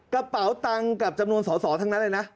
กระเป๋าตังค์กับจำนวนสอสอทั้งนั้นเลยนะ